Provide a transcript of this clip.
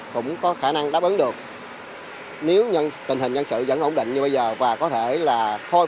cũng có khả năng đáp ứng được nếu tình hình nhân sự vẫn ổn định như bây giờ và có thể là khôi